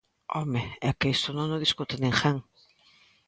¡Home, é que isto non o discute ninguén!